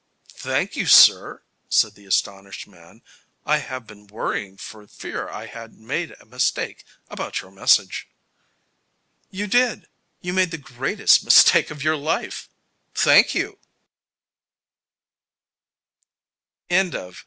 "Thank you, sir," said the astonished man. "I have been worrying for fear I had made a mistake about your message." "You did. You made the greatest mistake of your life. Thank you!"